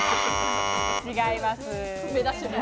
違います。